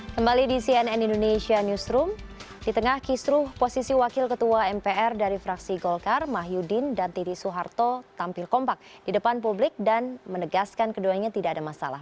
kembali di cnn indonesia newsroom di tengah kisruh posisi wakil ketua mpr dari fraksi golkar mah yudin dan titi soeharto tampil kompak di depan publik dan menegaskan keduanya tidak ada masalah